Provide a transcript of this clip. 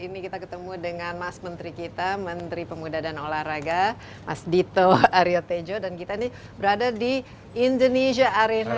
ini kita ketemu dengan mas menteri kita menteri pemuda dan olahraga mas dito aryo tejo dan kita ini berada di indonesia arena